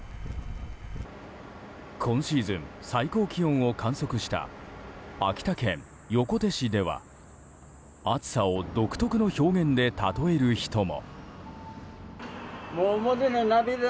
今シーズン最高気温を観測した秋田県横手市では暑さを独特の表現で例える人も。